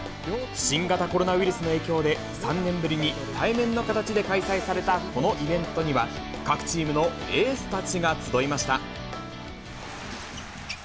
新型コロナウイルスの影響で、３年ぶりに対面の形で開催されたこのイベントには、各チームのエースたちが集いました。